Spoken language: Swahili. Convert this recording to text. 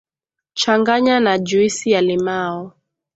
changanya na Juisi ya limao